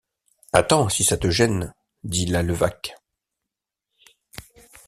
Attends, si ça te gêne, dit la Levaque.